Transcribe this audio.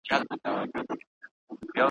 دریم لوری یې د ژوند نه دی لیدلی ,